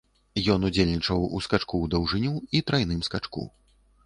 Ён удзельнічаў у скачку ў даўжыню і трайным скачку.